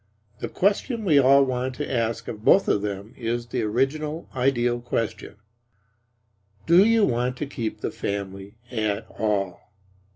The question we all want to ask of both of them is the original ideal question, "Do you want to keep the family at all?"